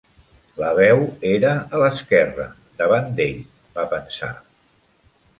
La veu era a l'esquerra davant d'ell, va pensar.